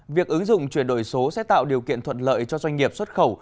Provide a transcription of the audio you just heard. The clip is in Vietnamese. việc ứng dụng chuyển đổi số sẽ tạo điều kiện thuận lợi cho doanh nghiệp xuất khẩu